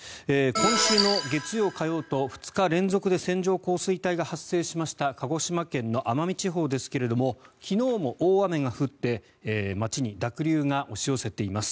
今週の月曜、火曜と２日連続で線状降水帯が発生しました鹿児島県の奄美地方ですけれども昨日も大雨が降って街に濁流が押し寄せています。